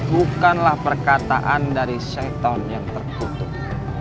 bukanlah perkataan dari setton yang terkutuk